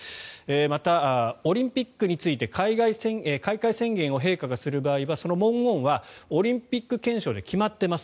また、オリンピックについて開会宣言を陛下がする場合はその文言はオリンピック憲章で決まっています。